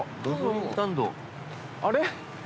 あれ？